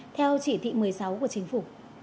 theo chỉ thị một mươi sáu của chính phủ